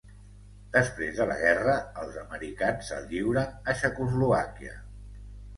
Després de la guerra, els americans el lliuren a Txecoslovàquia.